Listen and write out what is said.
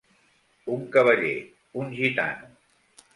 Un cavaller. Un gitano.